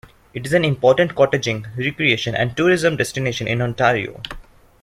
It is an important cottaging, recreation and tourism destination in Ontario.